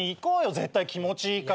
絶対気持ちいいから。